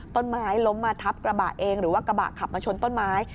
ต้นไม้ล้มมาทับกระบะเองหรือว่ากระบะขับมาชนต้นไม้